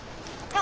あ！